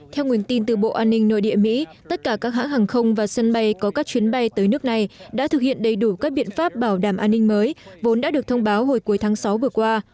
theo nguồn tin từ bộ an ninh nội địa mỹ tất cả các hãng hàng không và sân bay có các chuyến bay tới nước này đã thực hiện đầy đủ các biện pháp bảo đảm an ninh mới vốn đã được thông báo hồi cuối tháng sáu vừa qua